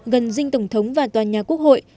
gần dinh tổng thống và toàn nhà quốc hội